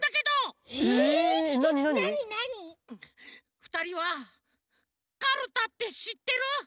ふたりはカルタってしってる？